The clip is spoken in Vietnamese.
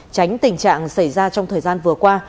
tránh tình trạng xảy ra trong thời gian vừa qua